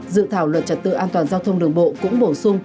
dự thảo luật trật tự an toàn giao thông đường bộ cũng bổ sung